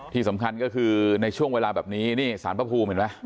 ที่สำคัญก็คือในช่วงเวลาแบบนี้นี่สารพระภูมิเห็นไหม